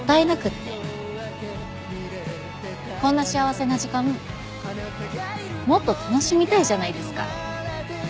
こんな幸せな時間もっと楽しみたいじゃないですか。